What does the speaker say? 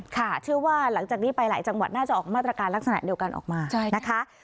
เชื่อว่าหลังจากนี้ไปหลายจังหวัดน่าจะออกมาตรการลักษณะเดียวกันออกมานะคะ